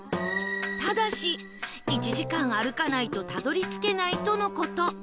ただし１時間歩かないとたどり着けないとの事